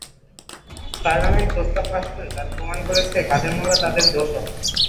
পার্লামেন্টে প্রস্তাব পাস করে তারা প্রমাণ করেছে, কাদের মোল্লা তাদের দোসর।